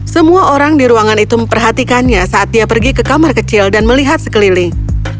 semua orang di ruangan itu memperhatikannya saat dia pergi ke kamar kecil dan melihat sekeliling